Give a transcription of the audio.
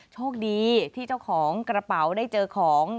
โชคดีที่เจ้าของกระเป๋าได้เจอของ